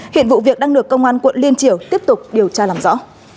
hiện vụ việc đang được công an quận liên triểu tiếp tục điều tra làm rõ